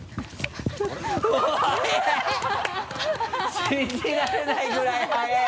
速い 信じられないぐらい速い！